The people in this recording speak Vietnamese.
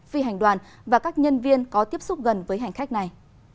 phi hành đoàn và các nhân viên có tiếp xúc gần với hành khách này